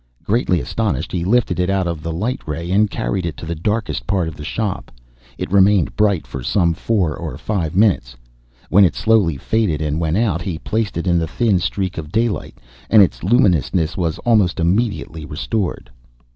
Greatly astonished, he lifted it out of the light ray and carried it to the darkest part of the shop. It remained bright for some four or five minutes, when it slowly faded and went out. He placed it in the thin streak of daylight, and its luminousness was almost immediately restored.